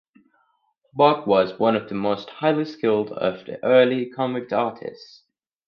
Bock was one of the most highly skilled of the early convict artists.